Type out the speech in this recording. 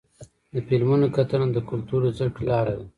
د فلمونو کتنه د کلتور د زدهکړې لاره ده.